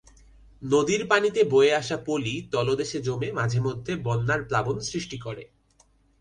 নদীর পানিতে বয়ে আসা পলি তলদেশে জমে মাঝেমধ্যে বন্যার প্লাবন সৃষ্টি করে।